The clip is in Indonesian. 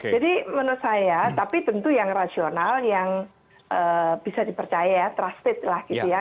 jadi menurut saya tapi tentu yang rasional yang bisa dipercaya ya trusted lah gitu ya